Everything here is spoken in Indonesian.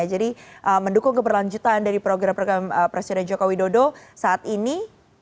jadi mendukung keberlanjutan dari program program presiden jokowi dodo saat ini